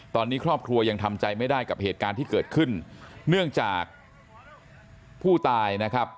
ตอนนี้ครอบครัวยังทำใจไม่ได้กับเหตุการณ์ที่เกิดขึ้นเนื่องจากผู้ตายนะครับ